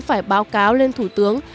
phải báo cáo lên thủ tướng